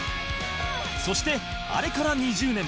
そしてあれから２０年